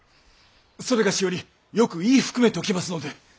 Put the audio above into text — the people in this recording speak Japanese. それがしよりよく言い含めておきますので！